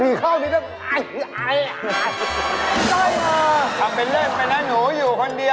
ผีผีพันป่อมะโอ้โฮเหมือน